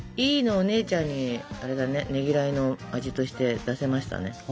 いいのお姉ちゃんにねぎらいの味として出せましたね。